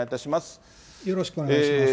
よろしくお願いします。